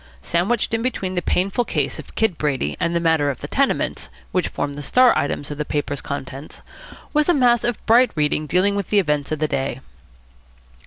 Sandwiched in between the painful case of Kid Brady and the matter of the tenements, which formed the star items of the paper's contents, was a mass of bright reading dealing with the events of the day.